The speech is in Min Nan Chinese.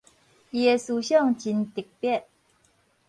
伊的思想真特別